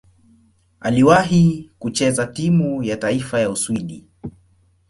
Aliwahi kucheza timu ya taifa ya Uswidi.